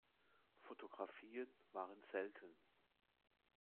Fotografien waren selten.